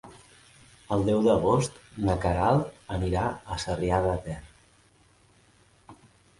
El deu d'agost na Queralt anirà a Sarrià de Ter.